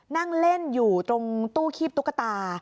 นั่งเล่นอยู่ตรงตู้คีบตุ๊กตา